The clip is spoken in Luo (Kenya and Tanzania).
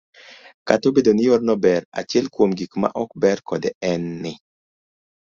Kata obedo ni yorno ber, achiel kuom gik ma ok ber kode en ni,